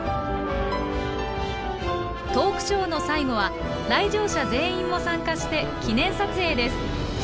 トークショーの最後は来場者全員も参加して記念撮影です。